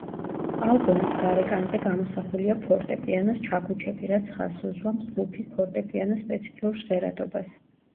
ალბომის გარეკანზე გამოსახულია ფორტეპიანოს ჩაქუჩები, რაც ხაზს უსვამს ჯგუფის ფორტეპიანოს სპეციფიურ ჟღერადობას.